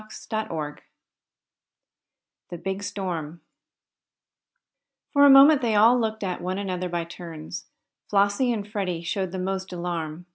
CHAPTER XX THE BIG STORM For a moment they all looked at one another by turns. Flossie and Freddie showed the most alarm.